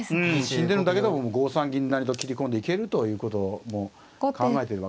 死んでるんだけども５三銀成と斬り込んでいけるということも考えてるわけですよね。